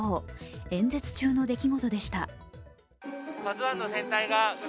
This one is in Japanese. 演説中の出来事でした。